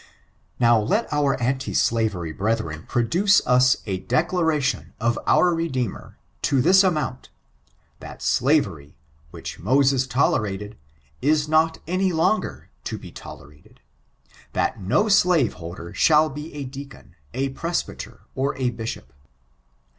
Now, let our anti slavery brethren produce us a declaration of Our Redeemer, to this amount, that slavery, which Moses tolerated, is not any longer to be toleratedf that no slave holder shall be a deacon, a presbyter, or a bishop.